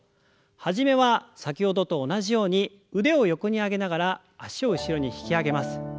始めは先ほどと同じように腕を横に上げながら脚を後ろに引き上げます。